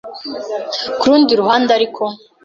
Ku rundi ruhande ariko,